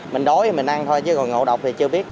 mình đói thì mình ăn thôi chứ còn ngầu độc thì chưa biết